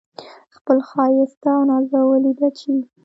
خپل ښایسته او نازولي بچي